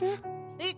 えっ！